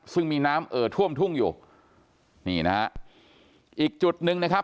ซึ่งมีน้ำเอ่อท่วมทุ่งอยู่นี่นะฮะอีกจุดหนึ่งนะครับ